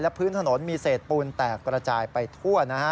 พื้นถนนมีเศษปูนแตกระจายไปทั่วนะฮะ